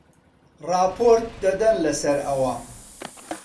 ڕاپۆرت دەدەن لەسەر ئەوە